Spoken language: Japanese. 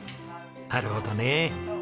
なるほどね！